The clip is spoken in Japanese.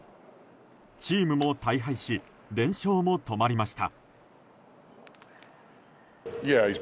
チームも大敗し連勝も止まりました。